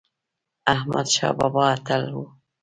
احمد شاه بابا اتل و